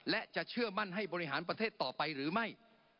และจะเชื่อมั่นให้บริหารประเทศต่อไปหรือไม่